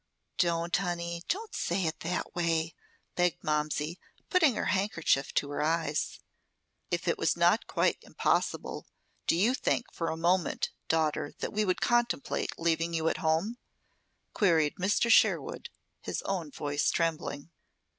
"Don't, honey! Don't say it that way!" begged Momsey, putting her handkerchief to her eyes. "If it was not quite impossible, do you think for a moment, daughter, that we would contemplate leaving you at home?" queried Mr. Sherwood, his own voice trembling.